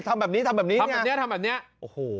ทำแบบนี้ทำแบบนี้เนี่ยโอ้โห